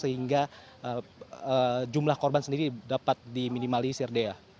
sehingga jumlah korban sendiri dapat diminimali sir dea